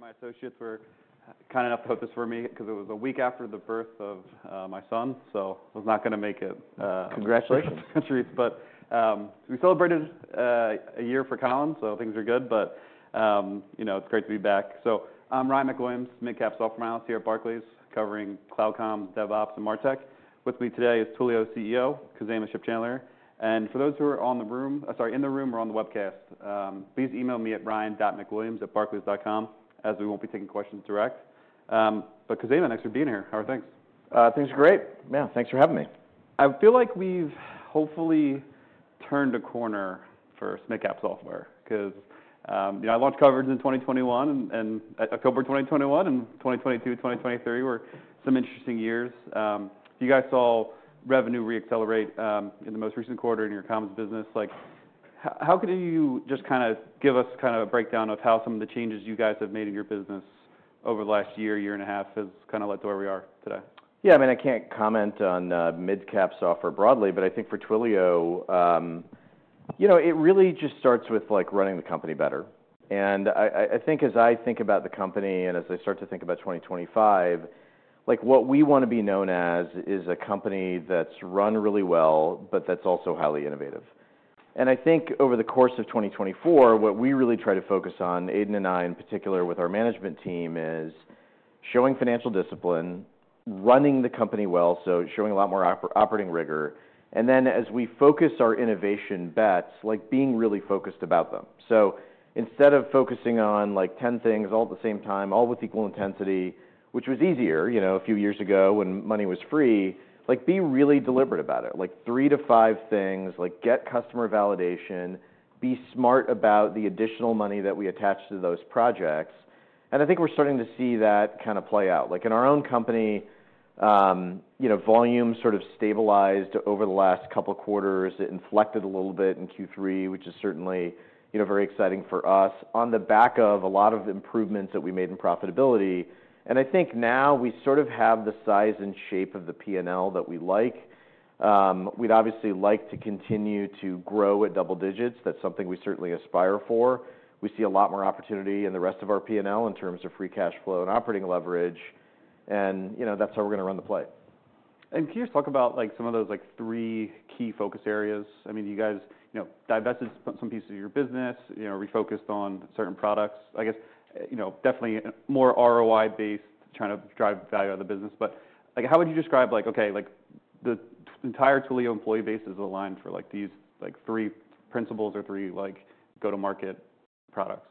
My associates were kind enough to host this for me because it was a week after the birth of my son, so I was not going to make it. Congratulations. But we celebrated a year for Colin, so things are good. But it's great to be back. So I'm Ryan MacWilliams, mid-cap software analyst here at Barclays covering CloudCom, DevOps, and MarTech. With me today is Twilio CEO, Khozema Shipchandler. And for those who are in the room or on the webcast, please email me at ryan.macwilliams@barclays.com as we won't be taking questions direct. But Khozema, thanks for being here. How are things? Things are great. Yeah, thanks for having me. I feel like we've hopefully turned a corner for mid-cap software because I launched coverage in 2021, and October 2021, and 2022, 2023 were some interesting years. You guys saw revenue re-accelerate in the most recent quarter in your comms business. How can you just kind of give us kind of a breakdown of how some of the changes you guys have made in your business over the last year, year and a half has kind of led to where we are today? Yeah, I mean, I can't comment on mid-cap software broadly, but I think for Twilio, it really just starts with running the company better. And I think as I think about the company and as I start to think about 2025, what we want to be known as is a company that's run really well, but that's also highly innovative. And I think over the course of 2024, what we really try to focus on, Aidan and I in particular with our management team, is showing financial discipline, running the company well, so showing a lot more operating rigor. And then as we focus our innovation bets, being really focused about them. So instead of focusing on 10 things all at the same time, all with equal intensity, which was easier a few years ago when money was free, be really deliberate about it. Three to five things, get customer validation, be smart about the additional money that we attach to those projects. And I think we're starting to see that kind of play out. In our own company, volume sort of stabilized over the last couple of quarters. It inflected a little bit in Q3, which is certainly very exciting for us on the back of a lot of improvements that we made in profitability. And I think now we sort of have the size and shape of the P&L that we like. We'd obviously like to continue to grow at double digits. That's something we certainly aspire for. We see a lot more opportunity in the rest of our P&L in terms of free cash flow and operating leverage. And that's how we're going to run the play. And can you just talk about some of those three key focus areas? I mean, you guys divested some pieces of your business, refocused on certain products. I guess definitely more ROI-based, trying to drive value out of the business. But how would you describe, OK, the entire Twilio employee base is aligned for these three principles or three go-to-market products?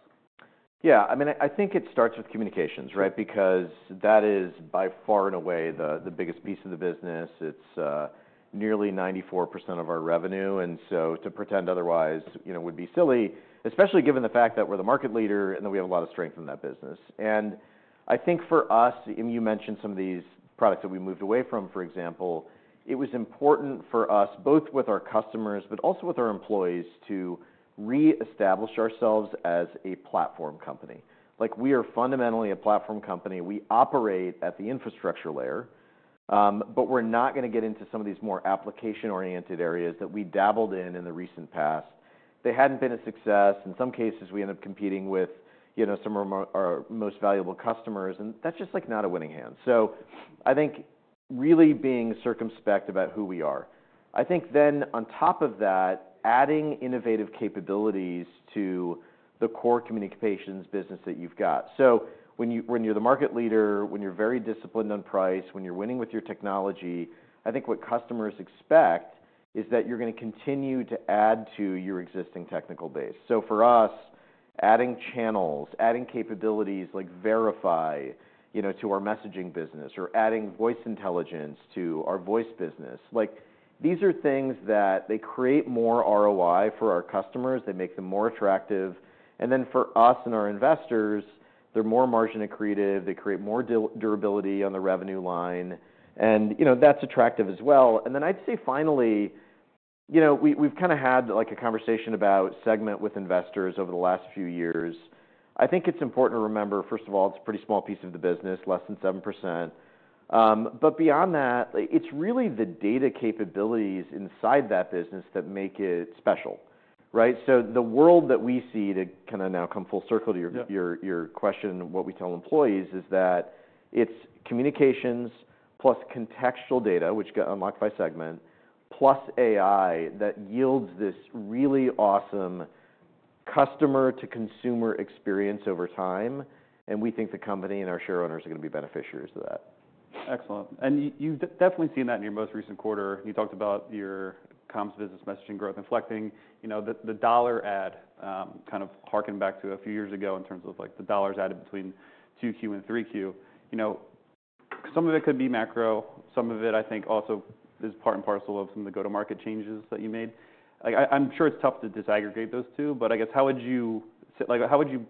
Yeah, I mean, I think it starts with communications, right, because that is by far and away the biggest piece of the business. It's nearly 94% of our revenue. And so to pretend otherwise would be silly, especially given the fact that we're the market leader and that we have a lot of strength in that business. And I think for us, and you mentioned some of these products that we moved away from, for example, it was important for us, both with our customers, but also with our employees, to reestablish ourselves as a platform company. We are fundamentally a platform company. We operate at the infrastructure layer, but we're not going to get into some of these more application-oriented areas that we dabbled in in the recent past. They hadn't been a success. In some cases, we ended up competing with some of our most valuable customers. And that's just not a winning hand. So I think really being circumspect about who we are. I think then on top of that, adding innovative capabilities to the core communications business that you've got. So when you're the market leader, when you're very disciplined on price, when you're winning with your technology, I think what customers expect is that you're going to continue to add to your existing technical base. So for us, adding channels, adding capabilities like Verify to our messaging business, or adding Voice Intelligence to our voice business, these are things that they create more ROI for our customers. They make them more attractive. And then for us and our investors, they're more margin-accretive. They create more durability on the revenue line. And that's attractive as well. And then I'd say finally, we've kind of had a conversation about Segment with investors over the last few years. I think it's important to remember, first of all, it's a pretty small piece of the business, less than 7%. But beyond that, it's really the data capabilities inside that business that make it special, right? So the world that we see to kind of now come full circle to your question, what we tell employees is that it's communications plus contextual data, which get unlocked by Segment, plus AI that yields this really awesome customer-to-consumer experience over time. And we think the company and our share owners are going to be beneficiaries of that. Excellent. And you've definitely seen that in your most recent quarter. You talked about your comms business messaging growth, inflecting the dollar add kind of hark back to a few years ago in terms of the dollars added between 2Q and 3Q. Some of it could be macro. Some of it, I think, also is part and parcel of some of the go-to-market changes that you made. I'm sure it's tough to disaggregate those two, but I guess how would you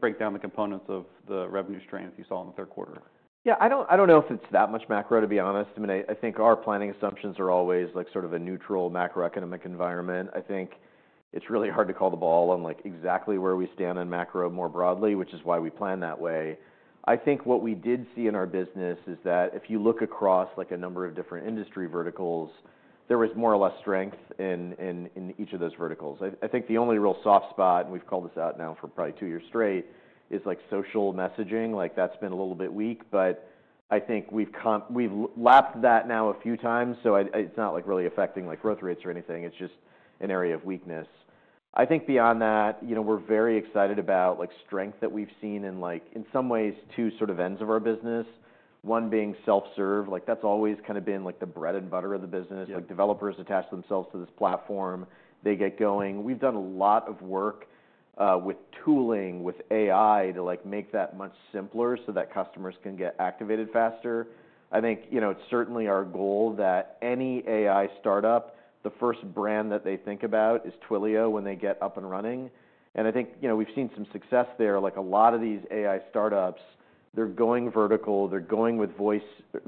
break down the components of the revenue stream that you saw in the third quarter? Yeah, I don't know if it's that much macro, to be honest. I mean, I think our planning assumptions are always sort of a neutral macroeconomic environment. I think it's really hard to call the ball on exactly where we stand on macro more broadly, which is why we plan that way. I think what we did see in our business is that if you look across a number of different industry verticals, there was more or less strength in each of those verticals. I think the only real soft spot, and we've called this out now for probably two years straight, is social messaging. That's been a little bit weak. But I think we've lapped that now a few times. So it's not really affecting growth rates or anything. It's just an area of weakness. I think beyond that, we're very excited about strength that we've seen in some ways, two sort of ends of our business, one being self-serve. That's always kind of been the bread and butter of the business. Developers attach themselves to this platform. They get going. We've done a lot of work with tooling, with AI, to make that much simpler so that customers can get activated faster. I think it's certainly our goal that any AI startup, the first brand that they think about is Twilio when they get up and running. And I think we've seen some success there. A lot of these AI startups, they're going vertical. They're going with voice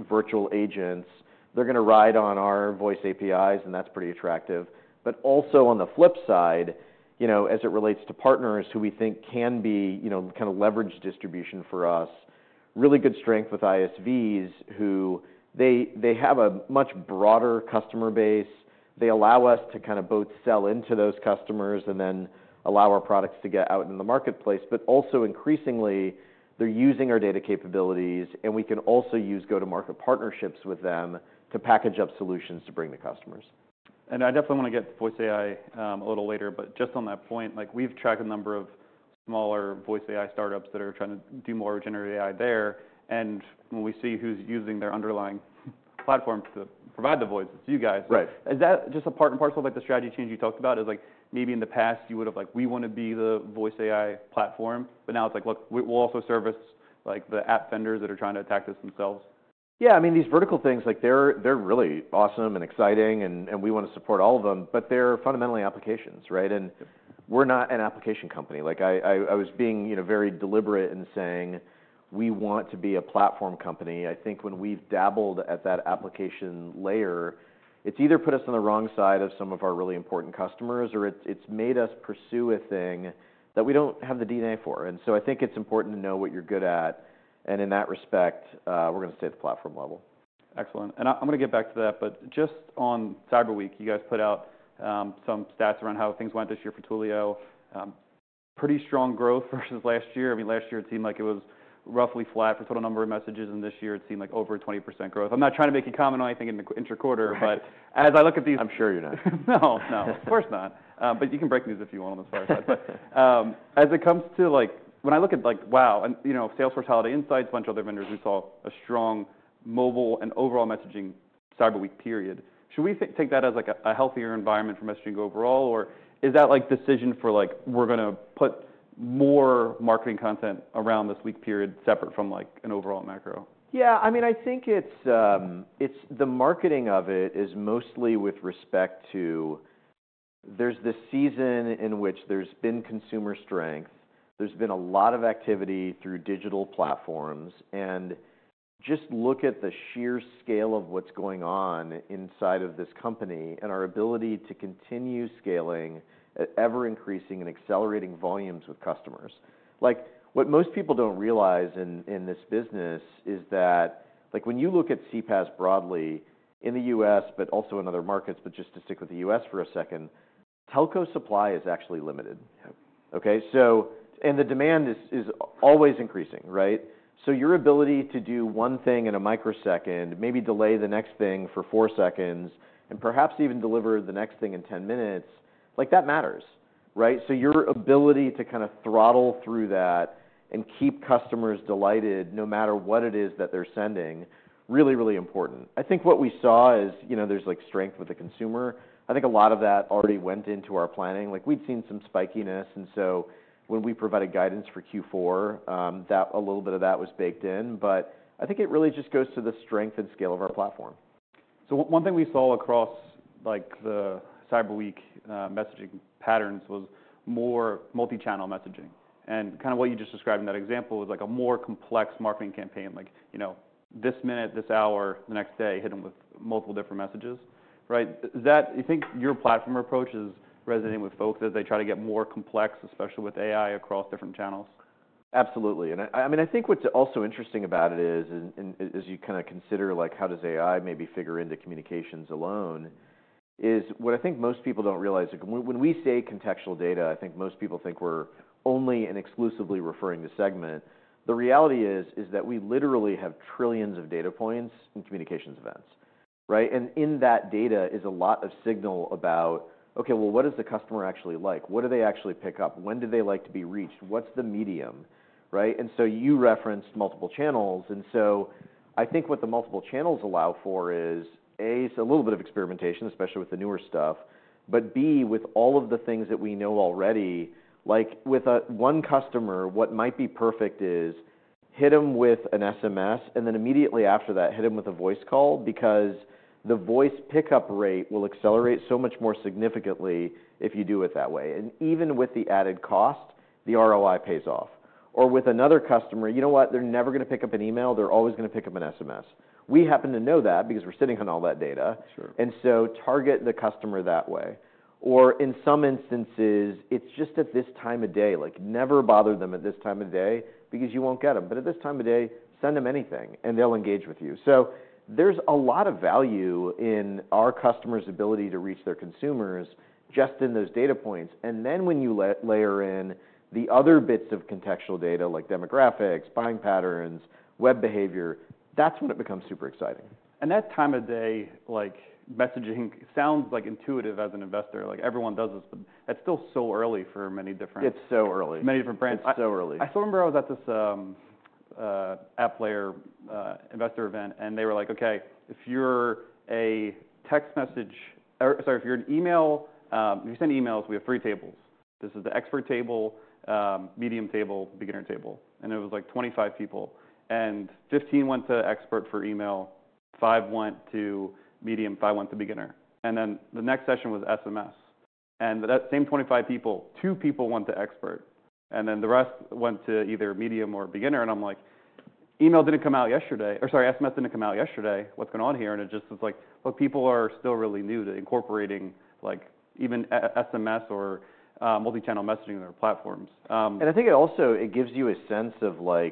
virtual agents. They're going to ride on our voice APIs, and that's pretty attractive. But also on the flip side, as it relates to partners who we think can be kind of leverage distribution for us, really good strength with ISVs who they have a much broader customer base. They allow us to kind of both sell into those customers and then allow our products to get out in the marketplace. But also increasingly, they're using our data capabilities, and we can also use go-to-market partnerships with them to package up solutions to bring to customers. I definitely want to get voice AI a little later. Just on that point, we've tracked a number of smaller voice AI startups that are trying to do more generative AI there. When we see who's using their underlying platform to provide the voice, it's you guys. Right. Is that just a part and parcel of the strategy change you talked about? Is maybe in the past you would have like, we want to be the voice AI platform, but now it's like, look, we'll also service the app vendors that are trying to attack this themselves? Yeah, I mean, these vertical things, they're really awesome and exciting, and we want to support all of them. But they're fundamentally applications, right? And we're not an application company. I was being very deliberate in saying we want to be a platform company. I think when we've dabbled at that application layer, it's either put us on the wrong side of some of our really important customers, or it's made us pursue a thing that we don't have the DNA for. And so I think it's important to know what you're good at. And in that respect, we're going to stay at the platform level. Excellent. And I'm going to get back to that. But just on Cyber Week, you guys put out some stats around how things went this year for Twilio. Pretty strong growth versus last year. I mean, last year it seemed like it was roughly flat for total number of messages. And this year it seemed like over 20% growth. I'm not trying to make you comment on anything in the interquarter, but as I look at these. I'm sure you're not. No, no, of course not. But you can break news if you want on the far side. But as it comes to when I look at, wow, and Salesforce, Holiday Insights, a bunch of other vendors, we saw a strong mobile and overall messaging Cyber Week period. Should we take that as a healthier environment for messaging overall, or is that a decision for we're going to put more marketing content around this week period separate from an overall macro? Yeah, I mean, I think the marketing of it is mostly with respect to there's this season in which there's been consumer strength. There's been a lot of activity through digital platforms, and just look at the sheer scale of what's going on inside of this company and our ability to continue scaling at ever-increasing and accelerating volumes with customers. What most people don't realize in this business is that when you look at CPaaS broadly in the U.S., but also in other markets, but just to stick with the U.S. for a second, telco supply is actually limited, and the demand is always increasing, right, so your ability to do one thing in a microsecond, maybe delay the next thing for four seconds, and perhaps even deliver the next thing in 10 minutes, that matters, right? So your ability to kind of throttle through that and keep customers delighted no matter what it is that they're sending is really, really important. I think what we saw is there's strength with the consumer. I think a lot of that already went into our planning. We'd seen some spikiness. And so when we provided guidance for Q4, a little bit of that was baked in. But I think it really just goes to the strength and scale of our platform. So one thing we saw across the Cyber Week messaging patterns was more multi-channel messaging. And kind of what you just described in that example was a more complex marketing campaign, like this minute, this hour, the next day, hit them with multiple different messages, right? Do you think your platform approach is resonating with folks as they try to get more complex, especially with AI across different channels? Absolutely. And I mean, I think what's also interesting about it is, as you kind of consider how does AI maybe figure into communications alone, is what I think most people don't realize. When we say contextual data, I think most people think we're only and exclusively referring to Segment. The reality is that we literally have trillions of data points and communications events, right? And in that data is a lot of signal about, OK, well, what does the customer actually like? What do they actually pick up? When do they like to be reached? What's the medium, right? And so you referenced multiple channels. And so I think what the multiple channels allow for is A, a little bit of experimentation, especially with the newer stuff, but B, with all of the things that we know already, with one customer, what might be perfect is hit them with an SMS and then immediately after that, hit them with a voice call because the voice pickup rate will accelerate so much more significantly if you do it that way. And even with the added cost, the ROI pays off. Or with another customer, you know what? They're never going to pick up an email. They're always going to pick up an SMS. We happen to know that because we're sitting on all that data. And so target the customer that way. Or in some instances, it's just at this time of day. Never bother them at this time of day because you won't get them. But at this time of day, send them anything, and they'll engage with you. So there's a lot of value in our customer's ability to reach their consumers just in those data points. And then when you layer in the other bits of contextual data, like demographics, buying patterns, web behavior, that's when it becomes super exciting. And that time of day messaging sounds intuitive as an investor. Everyone does this, but that's still so early for many different. It's so early. Many different brands. It's so early. I still remember I was at this app player investor event, and they were like, OK, if you're an email, if you send emails, we have three tables. This is the expert table, medium table, beginner table. And it was like 25 people. And 15 went to expert for email, five went to medium, five went to beginner. And then the next session was SMS. And that same 25 people, two people went to expert. And then the rest went to either medium or beginner. And I'm like, email didn't come out yesterday. Or sorry, SMS didn't come out yesterday. What's going on here? And it just is like, look, people are still really new to incorporating even SMS or multi-channel messaging in their platforms. I think it also gives you a sense of why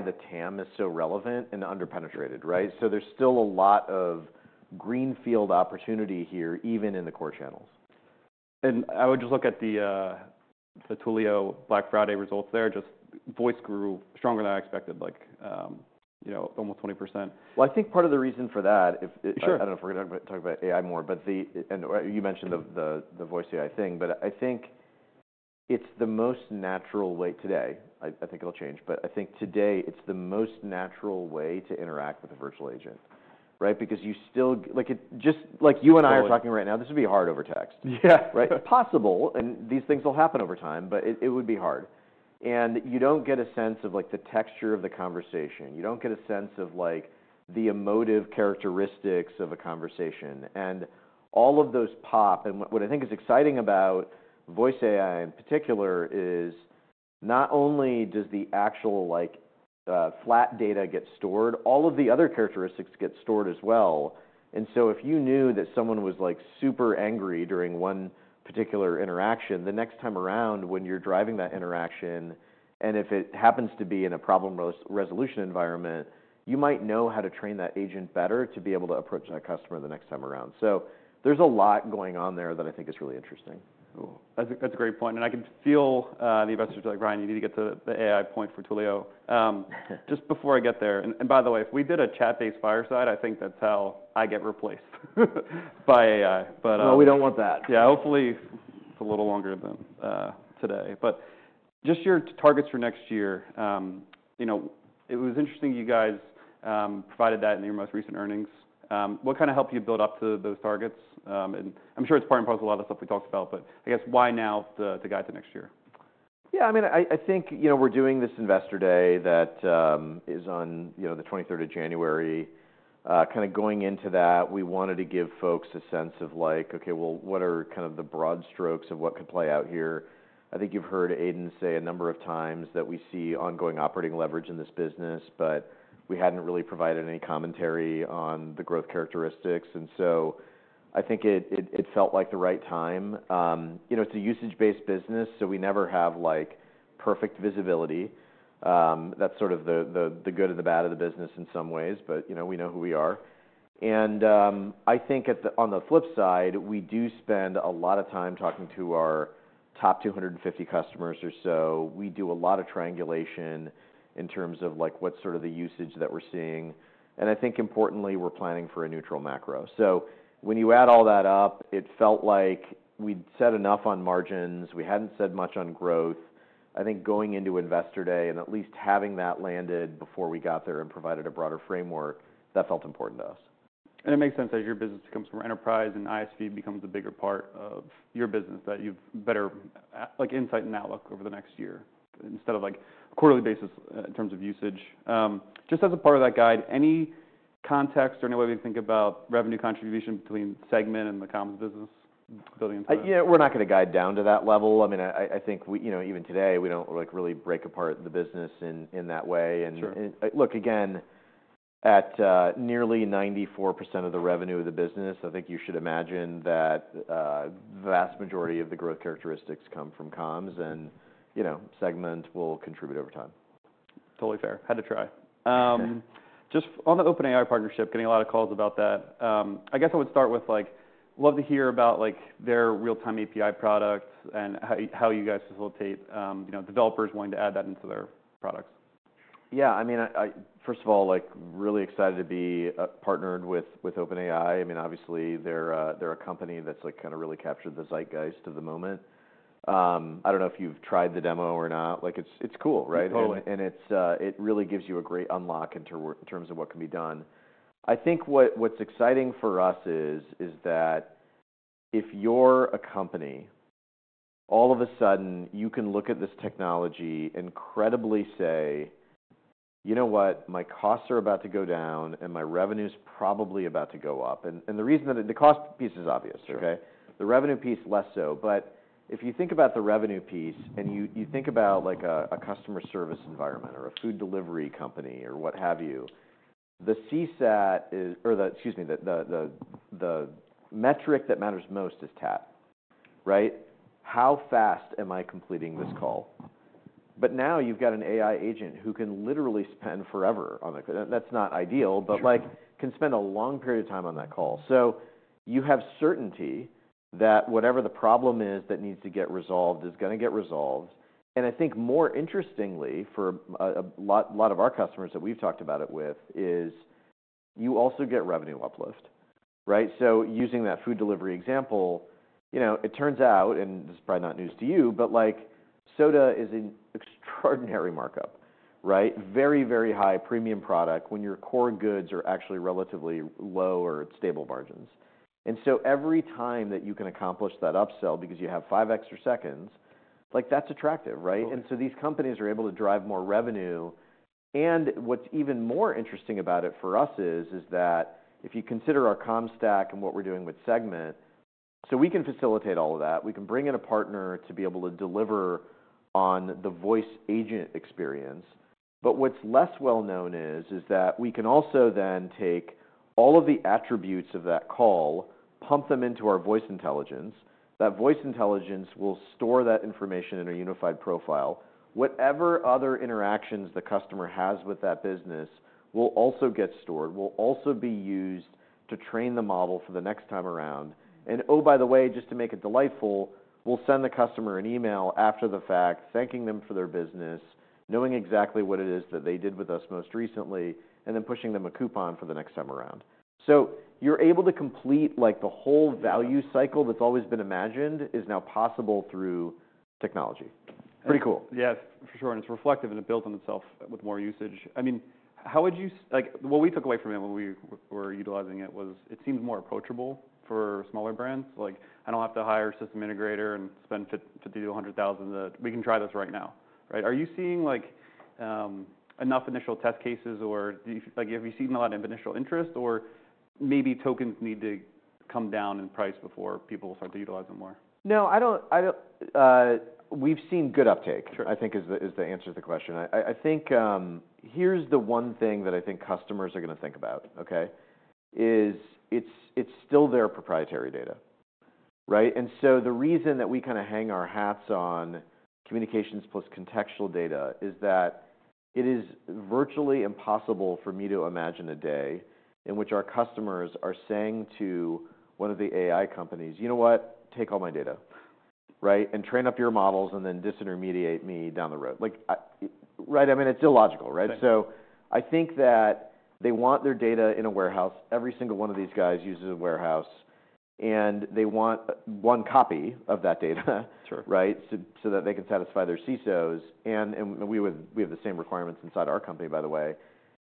the TAM is so relevant and underpenetrated, right? There's still a lot of greenfield opportunity here, even in the core channels. And I would just look at the Twilio Black Friday results there. Just voice grew stronger than I expected, like almost 20%. I think part of the reason for that, I don't know if we're going to talk about AI more, but you mentioned the voice AI thing. But I think it's the most natural way today. I think it'll change. But I think today it's the most natural way to interact with a virtual agent, right? Because you still, just like you and I are talking right now, this would be hard over text, right? Yeah. Possible. And these things will happen over time, but it would be hard. And you don't get a sense of the texture of the conversation. You don't get a sense of the emotive characteristics of a conversation. And all of those pop. And what I think is exciting about voice AI in particular is not only does the actual flat data get stored, all of the other characteristics get stored as well. And so if you knew that someone was super angry during one particular interaction, the next time around when you're driving that interaction, and if it happens to be in a problem resolution environment, you might know how to train that agent better to be able to approach that customer the next time around. So there's a lot going on there that I think is really interesting. Cool. That's a great point, and I can feel the investors are like, Ryan, you need to get to the AI point for Twilio. Just before I get there, and by the way, if we did a chat-based fireside, I think that's how I get replaced by AI. We don't want that. Yeah, hopefully it's a little longer than today, but just your targets for next year. It was interesting you guys provided that in your most recent earnings. What kind of helped you build up to those targets? And I'm sure it's part and parcel of a lot of the stuff we talked about, but I guess why now to guide to next year? Yeah, I mean, I think we're doing this investor day that is on the 23rd of January. Kind of going into that, we wanted to give folks a sense of like, OK, well, what are kind of the broad strokes of what could play out here? I think you've heard Aidan say a number of times that we see ongoing operating leverage in this business, but we hadn't really provided any commentary on the growth characteristics. And so I think it felt like the right time. It's a usage-based business, so we never have perfect visibility. That's sort of the good and the bad of the business in some ways, but we know who we are. And I think on the flip side, we do spend a lot of time talking to our top 250 customers or so. We do a lot of triangulation in terms of what's sort of the usage that we're seeing. And I think importantly, we're planning for a neutral macro. So when you add all that up, it felt like we'd said enough on margins. We hadn't said much on growth. I think going into investor day and at least having that landed before we got there and provided a broader framework, that felt important to us. It makes sense as your business becomes more enterprise and ISV becomes a bigger part of your business that you've better insight and outlook over the next year instead of a quarterly basis in terms of usage. Just as a part of that guide, any context or any way we think about revenue contribution between Segment and the comms business building? Yeah, we're not going to guide down to that level. I mean, I think even today we don't really break apart the business in that way. And look, again, at nearly 94% of the revenue of the business, I think you should imagine that the vast majority of the growth characteristics come from comms, and Segment will contribute over time. Totally fair. Had to try. Just on the OpenAI partnership, getting a lot of calls about that, I guess I would start with like love to hear about their Realtime API product and how you guys facilitate developers wanting to add that into their products. Yeah, I mean, first of all, really excited to be partnered with OpenAI. I mean, obviously, they're a company that's kind of really captured the zeitgeist of the moment. I don't know if you've tried the demo or not. It's cool, right? Totally. It really gives you a great unlock in terms of what can be done. I think what's exciting for us is that if you're a company, all of a sudden you can look at this technology and credibly say, you know what? My costs are about to go down, and my revenue is probably about to go up. The cost piece is obvious, OK? The revenue piece, less so. If you think about the revenue piece and you think about a customer service environment or a food delivery company or what have you, the CSAT, or excuse me, the metric that matters most is TAT, right? How fast am I completing this call? Now you've got an AI agent who can literally spend forever on that. That's not ideal, but can spend a long period of time on that call. You have certainty that whatever the problem is that needs to get resolved is going to get resolved. I think more interestingly, for a lot of our customers that we've talked about it with, you also get revenue uplift, right? Using that food delivery example, it turns out, and this is probably not news to you, but soda is an extraordinary markup, right? Very, very high premium product when your core goods are actually relatively low or stable margins. Every time that you can accomplish that upsell because you have five extra seconds, that's attractive, right? These companies are able to drive more revenue. What's even more interesting about it for us is that if you consider our comm stack and what we're doing with Segment, we can facilitate all of that. We can bring in a partner to be able to deliver on the voice agent experience. But what's less well known is that we can also then take all of the attributes of that call, pump them into our Voice Intelligence. That Voice Intelligence will store that information in a Unified Profile. Whatever other interactions the customer has with that business will also get stored, will also be used to train the model for the next time around. And oh, by the way, just to make it delightful, we'll send the customer an email after the fact, thanking them for their business, knowing exactly what it is that they did with us most recently, and then pushing them a coupon for the next time around. So you're able to complete the whole value cycle that's always been imagined, is now possible through technology. Pretty cool. Yes, for sure, and it's reflective and it builds on itself with more usage. I mean, what we took away from it when we were utilizing it was it seems more approachable for smaller brands. I don't have to hire a system integrator and spend $50,000-$100,000. We can try this right now, right? Are you seeing enough initial test cases, or have you seen a lot of initial interest, or maybe tokens need to come down in price before people will start to utilize them more? No, we've seen good uptake, I think, is the answer to the question. I think here's the one thing that I think customers are going to think about, OK, is it's still their proprietary data, right? And so the reason that we kind of hang our hats on communications plus contextual data is that it is virtually impossible for me to imagine a day in which our customers are saying to one of the AI companies, you know what? Take all my data, right, and train up your models and then disintermediate me down the road. Right? I mean, it's illogical, right? So I think that they want their data in a warehouse. Every single one of these guys uses a warehouse, and they want one copy of that data, right, so that they can satisfy their CSOs. And we have the same requirements inside our company, by the way.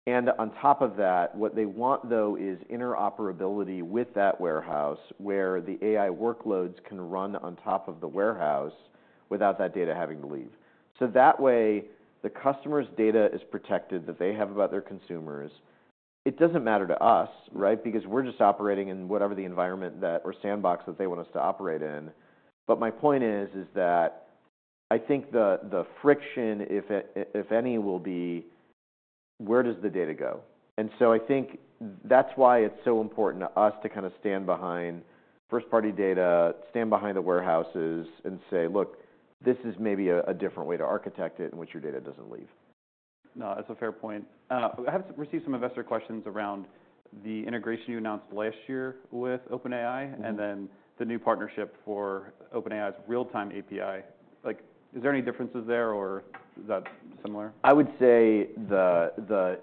On top of that, what they want, though, is interoperability with that warehouse where the AI workloads can run on top of the warehouse without that data having to leave. So that way, the customer's data is protected that they have about their consumers. It doesn't matter to us, right, because we're just operating in whatever the environment or sandbox that they want us to operate in. But my point is that I think the friction, if any, will be where does the data go? And so I think that's why it's so important to us to kind of stand behind first-party data, stand behind the warehouses, and say, look, this is maybe a different way to architect it in which your data doesn't leave. No, that's a fair point. I have received some investor questions around the integration you announced last year with OpenAI and then the new partnership for OpenAI's Realtime API. Is there any differences there, or is that similar? I would say the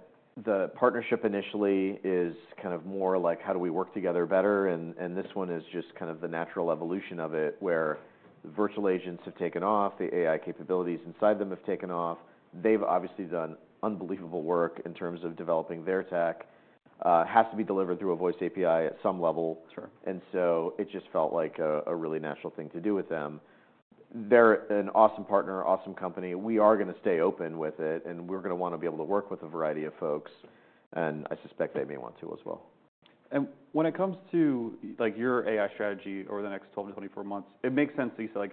partnership initially is kind of more like how do we work together better. And this one is just kind of the natural evolution of it where virtual agents have taken off. The AI capabilities inside them have taken off. They've obviously done unbelievable work in terms of developing their tech. It has to be delivered through a voice API at some level. And so it just felt like a really natural thing to do with them. They're an awesome partner, awesome company. We are going to stay open with it, and we're going to want to be able to work with a variety of folks. And I suspect they may want to as well. When it comes to your AI strategy over the next 12-24 months, it makes sense that you say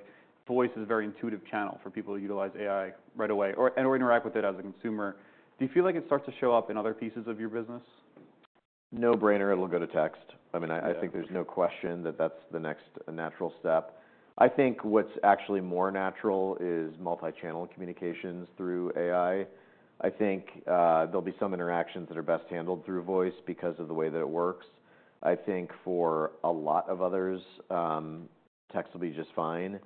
voice is a very intuitive channel for people to utilize AI right away and/or interact with it as a consumer. Do you feel like it starts to show up in other pieces of your business? No-brainer. It'll go to text. I mean, I think there's no question that that's the next natural step. I think what's actually more natural is multi-channel communications through AI. I think there'll be some interactions that are best handled through voice because of the way that it works. I think for a lot of others, text will be just fine.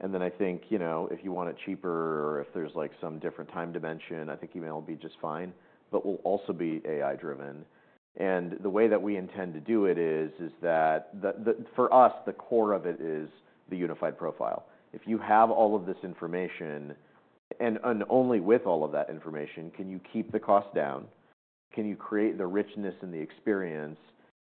And then I think if you want it cheaper or if there's some different time dimension, I think email will be just fine, but will also be AI-driven. And the way that we intend to do it is that for us, the core of it is the Unified Profile. If you have all of this information, and only with all of that information, can you keep the cost down? Can you create the richness and the experience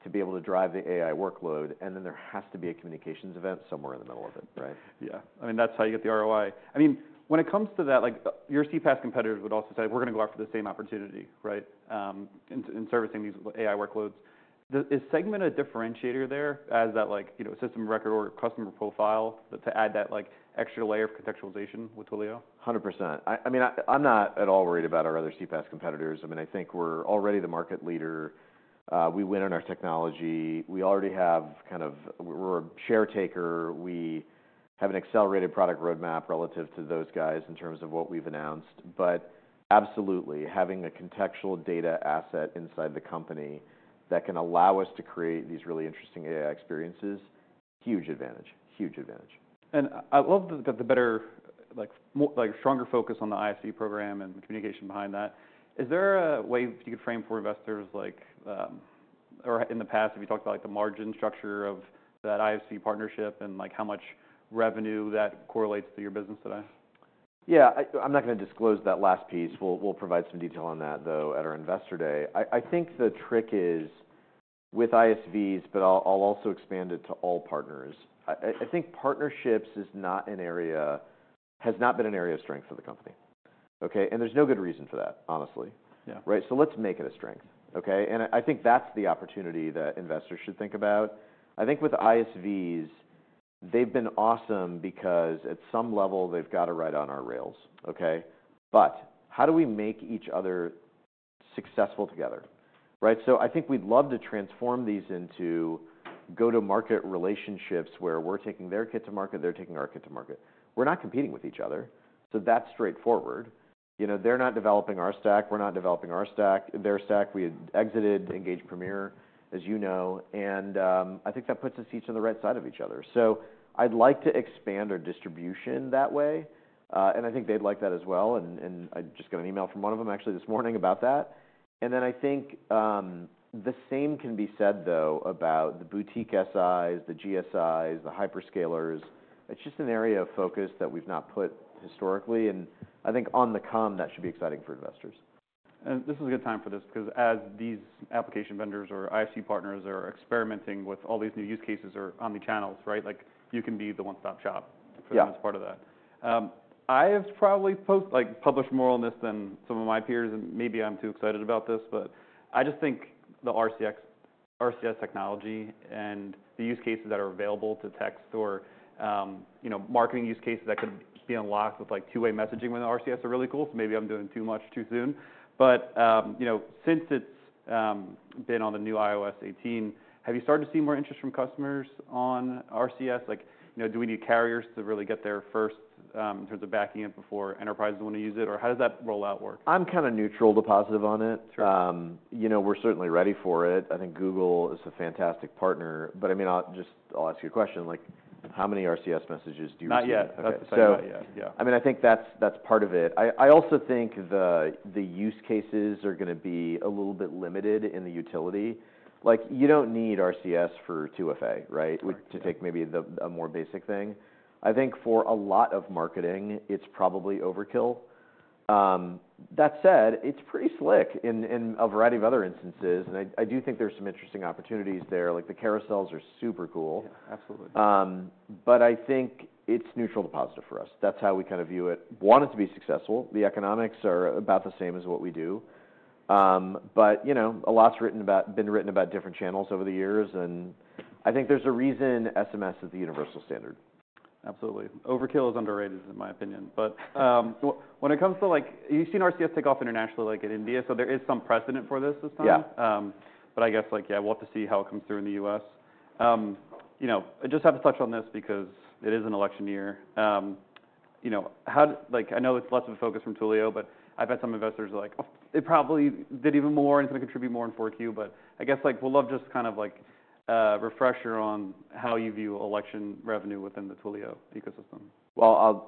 to be able to drive the AI workload? And then there has to be a communications event somewhere in the middle of it, right? Yeah. I mean, that's how you get the ROI. I mean, when it comes to that, your CPaaS competitors would also say, we're going to go after the same opportunity, right, in servicing these AI workloads. Is Segment a differentiator there as that system record or customer profile to add that extra layer of contextualization with Twilio? 100%. I mean, I'm not at all worried about our other CPaaS competitors. I mean, I think we're already the market leader. We win on our technology. We already have kind of we're a share taker. We have an accelerated product roadmap relative to those guys in terms of what we've announced. But absolutely, having a contextual data asset inside the company that can allow us to create these really interesting AI experiences, huge advantage, huge advantage. I love that the better, stronger focus on the ISV program and communication behind that. Is there a way you could frame for investors or in the past, have you talked about the margin structure of that ISV partnership and how much revenue that correlates to your business today? Yeah, I'm not going to disclose that last piece. We'll provide some detail on that, though, at our investor day. I think the trick is with ISVs, but I'll also expand it to all partners. I think partnerships has not been an area of strength for the company, OK? And there's no good reason for that, honestly, right? So let's make it a strength, OK? And I think that's the opportunity that investors should think about. I think with ISVs, they've been awesome because at some level they've got to ride on our rails, OK? But how do we make each other successful together, right? So I think we'd love to transform these into go-to-market relationships where we're taking their kit to market, they're taking our kit to market. We're not competing with each other, so that's straightforward. They're not developing our stack. We're not developing our stack, their stack. We exited Engage Premier, as you know, and I think that puts us each on the right side of each other, so I'd like to expand our distribution that way, and I think they'd like that as well, and I just got an email from one of them, actually, this morning about that, and then I think the same can be said, though, about the boutique SIs, the GSIs, the hyperscalers. It's just an area of focus that we've not put historically, and I think on the come, that should be exciting for investors. This is a good time for this because as these application vendors or ISV partners are experimenting with all these new use cases or omnichannels, right, you can be the one-stop shop for them as part of that. I have probably published more on this than some of my peers, and maybe I'm too excited about this. I just think the RCS technology and the use cases that are available to text or marketing use cases that could be unlocked with two-way messaging with RCS are really cool. Maybe I'm doing too much too soon. Since it's been on the new iOS 18, have you started to see more interest from customers on RCS? Do we need carriers to really get there first in terms of backing it before enterprises want to use it? Or how does that rollout work? I'm kind of neutral to positive on it. We're certainly ready for it. I think Google is a fantastic partner. But I mean, just I'll ask you a question. How many RCS messages do you see? Not yet. I mean, I think that's part of it. I also think the use cases are going to be a little bit limited in the utility. You don't need RCS for 2FA, right, to take maybe a more basic thing. I think for a lot of marketing, it's probably overkill. That said, it's pretty slick in a variety of other instances, and I do think there's some interesting opportunities there. The carousels are super cool. Yeah, absolutely. But I think it's neutral to positive for us. That's how we kind of view it. We want it to be successful. The economics are about the same as what we do. But a lot's been written about different channels over the years. And I think there's a reason SMS is the universal standard. Absolutely. Overkill is underrated, in my opinion. But when it comes to, you've seen RCS take off internationally in India, so there is some precedent for this time. But I guess, yeah, we'll have to see how it comes through in the U.S. I just have to touch on this because it is an election year. I know it's less of a focus from Twilio, but I've had some investors are like, it probably did even more and it's going to contribute more in 4Q. But I guess we'll love just kind of a refresher on how you view election revenue within the Twilio ecosystem.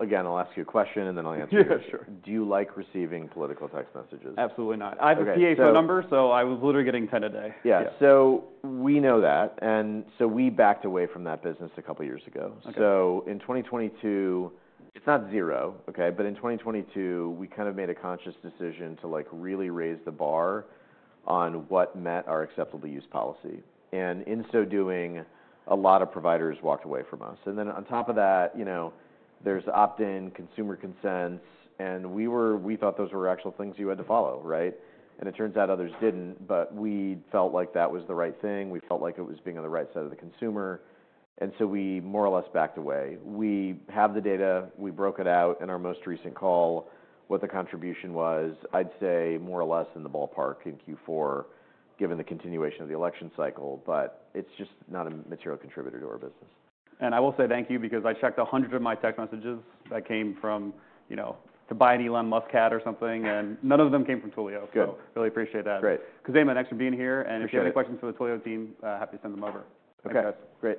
Again, I'll ask you a question, and then I'll answer it. Yeah, sure. Do you like receiving political text messages? Absolutely not. I have a PA phone number, so I was literally getting 10 a day. Yeah. So we know that. And so we backed away from that business a couple of years ago. So in 2022, it's not zero, OK, but in 2022, we kind of made a conscious decision to really raise the bar on what met our acceptable use policy. And in so doing, a lot of providers walked away from us. And then on top of that, there's opt-in consumer consents. And we thought those were actual things you had to follow, right? And it turns out others didn't. But we felt like that was the right thing. We felt like it was being on the right side of the consumer. And so we more or less backed away. We have the data. We broke it out in our most recent call. What the contribution was, I'd say more or less in the ballpark in Q4, given the continuation of the election cycle. But it's just not a material contributor to our business. I will say thank you because I checked 100 of my text messages that came from to buy an Elon Musk hat or something. None of them came from Twilio. So really appreciate that. Great. Khozema, thanks for being here. And if you have any questions for the Twilio team, happy to send them over. OK, great.